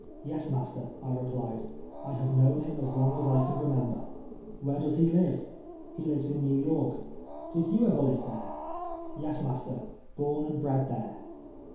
" Yes, master," I replied, " I liave kno^vn liim as long as I can remember." " Wliere does lie live ?"" lie lives in ]S^ew York." " Did you ever live there ?"" Yes, master — born and bred there."